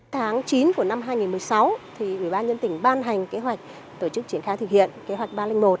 tháng chín của năm hai nghìn một mươi sáu ủy ban nhân tỉnh ban hành kế hoạch tổ chức triển khai thực hiện kế hoạch ba trăm linh một